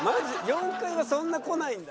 ４階はそんな来ないんだ」